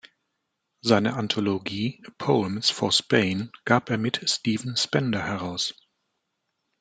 Seine Anthologie "Poems for Spain" gab er mit Stephen Spender heraus.